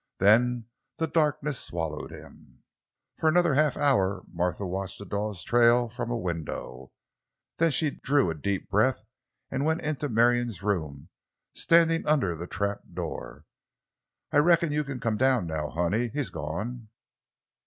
Then the darkness swallowed him. For another half hour Martha watched the Dawes trail from a window. Then she drew a deep breath and went into Marion's room, standing under the trap door. "I reckon you kin come down now, honey—he's gone."